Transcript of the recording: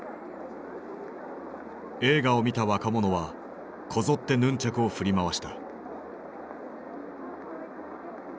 映画を見た若者はこぞってヌンチャクを振り回した。